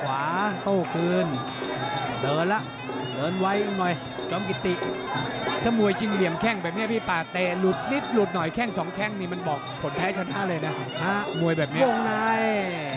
อัลเฮียค่ะมวยแบบนี้